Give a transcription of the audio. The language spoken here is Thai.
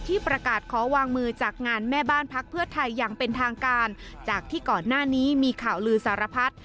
ประกาศขอวางมือจากงานแม่บ้านพักเพื่อไทยอย่างเป็นทางการจากที่ก่อนหน้านี้มีข่าวลือสารพัด